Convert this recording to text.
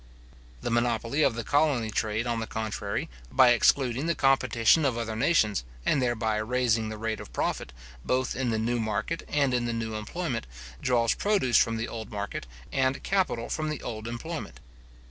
The monopoly of the colony trade, on the contrary, by excluding the competition of other nations, and thereby raising the rate of profit, both in the new market and in the new employment, draws produce from the old market, and capital from the old employment.